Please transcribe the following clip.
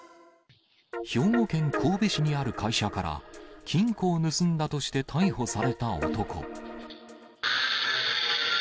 兵庫県神戸市にある会社から金庫を盗んだとして逮捕された男。